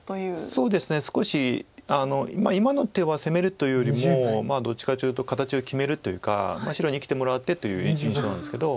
そうですね少し今の手は攻めるというよりもどっちかというと形を決めるというか白に生きてもらってという印象なんですけど。